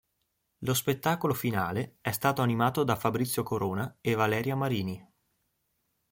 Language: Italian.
Lo spettacolo finale è stato animato da Fabrizio Corona e Valeria Marini.